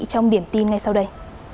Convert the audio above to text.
trong điểm tin ngay sau đây